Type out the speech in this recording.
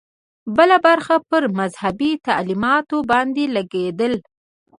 بله برخه پر مذهبي تعلیماتو باندې لګېدله.